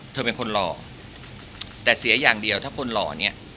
เธอเป็นคนหล่อแต่เสียอย่างเดียวถ้าคนหล่อเนี่ย